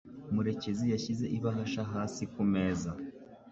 Murekezi yashyize ibahasha hasi kumeza.